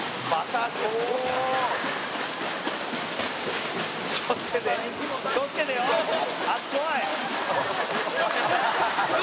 足、怖い。